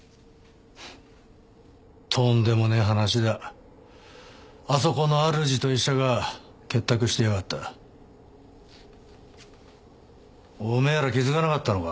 ふんとんでもねぇ話だあそこのあるじと医者が結託してやがったおめぇら気付かなかったのか？